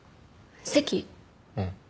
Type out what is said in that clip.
うん。